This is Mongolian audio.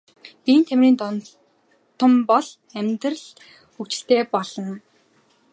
Биеийн тамирын донтон бол бол амьдрал хөгжилтэй болно.